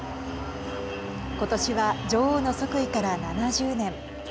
ことしは女王の即位から７０年。